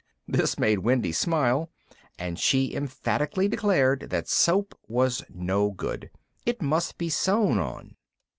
This made Wendy smile, and she emphatically declared that soap was no good. It must be sewn on.